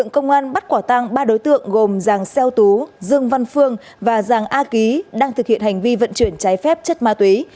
các quả tăng ba đối tượng gồm giàng xeo tú dương văn phương và giàng a ký đang thực hiện hành vi vận chuyển trái phép chất ma túy